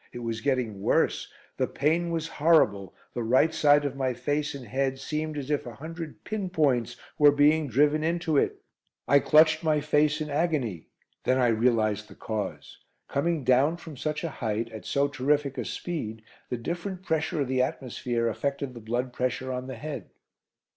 It was getting worse. The pain was horrible. The right side of my face and head seemed as if a hundred pin points were being driven into it. I clutched my face in agony; then I realised the cause. Coming down from such a height, at so terrific a speed, the different pressure of the atmosphere affected the blood pressure on the head.